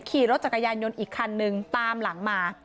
ขี่รถจักรยานยนต์อีกคันนึงตามหลังมา